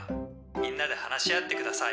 みんなで話し合ってください」。